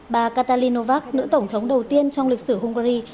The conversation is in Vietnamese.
bà katalin novak nữ tổng thống đầu tiên trong lịch sử hungary